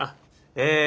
え